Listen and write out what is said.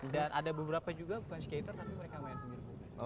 dan ada beberapa juga bukan skater tapi mereka main sendiri